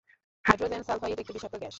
Hydrogen sulphide একটি বিষাক্ত gas.